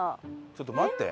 ちょっと待って。